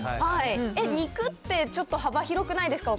肉って、ちょっと幅広くないですか。